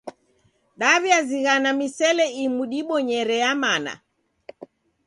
Daw'iazighana misele imu dibonyere ya mana.